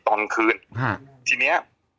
ตอนคืนทีนี้